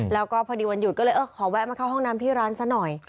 แล้วก็พอดีวันหยุดก็เลยเออขอแวะมาเข้าห้องน้ำที่ร้านซะหน่อย